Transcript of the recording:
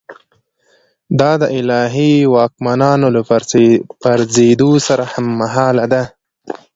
دا د الهي واکمنانو له پرځېدو سره هممهاله ده.